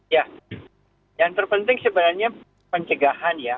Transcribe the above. ya yang terpenting sebenarnya pencegahan ya